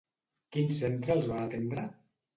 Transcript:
Quin centre els va atendre?